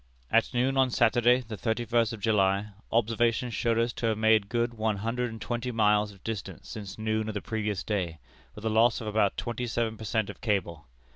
"At noon on Saturday, the thirty first of July, observations showed us to have made good one hundred and twenty miles of distance since noon of the previous day, with a loss of about twenty seven per cent of cable.